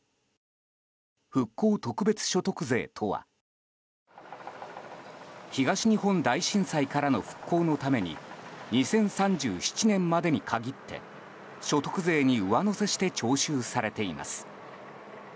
復興特別所得税とは東日本大震災からの復興のために２０３７年度までに限って所得税に上乗せして徴収されています。